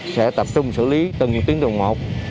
sẽ tập trung xử lý từng tuyến đường một